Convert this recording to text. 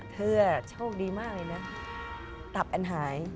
เธอโชคดีมากเลยนะตับอันหาย